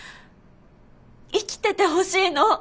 生きててほしいの！